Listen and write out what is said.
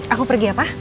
aku pergi ya pak